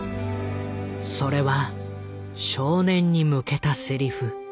それは少年に向けたセリフ。